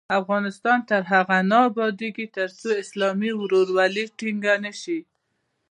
افغانستان تر هغو نه ابادیږي، ترڅو اسلامي ورورولي ټینګه نشي.